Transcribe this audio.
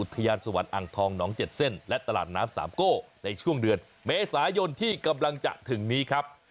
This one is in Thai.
ได้แล้วสะดามอย่างนี้